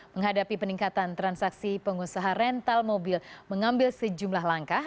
menghadapi peningkatan transaksi pengusaha rental mobil mengambil sejumlah langkah